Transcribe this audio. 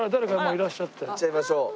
行っちゃいましょう。